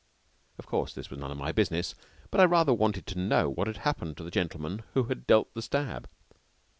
Of course this was none of my business, but I rather wanted to know what had happened to the gentleman who had dealt the stab.